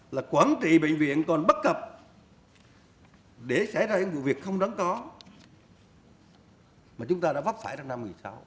là quản trị bệnh viện còn bắt cập để xảy ra những vụ việc không đáng có mà chúng ta đã vấp phải trong năm một mươi sáu